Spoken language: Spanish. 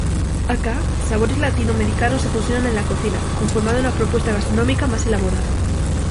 Acá, sabores latinoamericanos se fusionan en la cocina, conformando una propuesta gastronómica más elaborada.